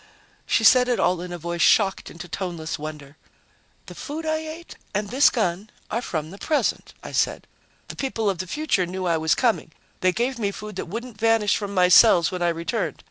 She said it all in a voice shocked into toneless wonder. "The food I ate and this gun are from the present," I said. "The people of the future knew I was coming. They gave me food that wouldn't vanish from my cells when I returned.